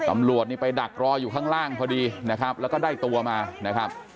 ตำรวจนี่ไปดักรออยู่ข้างล่างพอดีนะครับแล้วก็ได้ตัวมานะครับ